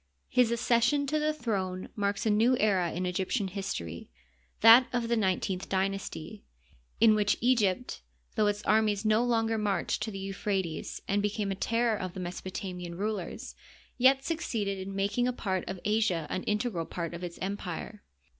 His accession to the throne marks a new era in Egyptian history, that of the nineteenth dy nasty, in which Egypt, though its armies no longer marched to the Euphrates and became the terror of the Mesopotamian rulers, yet succeeded in making a part of Asia an integral part of its empire.